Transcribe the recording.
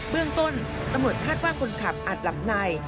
เรื่องต้นตำรวจคาดว่าคนขับอาจหลับใน